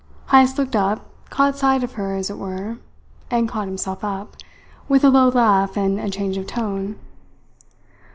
Heyst looked up, caught sight of her as it were, and caught himself up, with a low laugh and a change of tone.